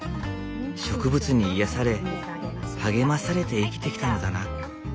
「植物に癒やされ励まされて生きてきたのだな」。